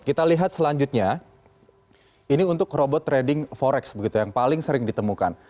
kita lihat selanjutnya ini untuk robot trading forex begitu yang paling sering ditemukan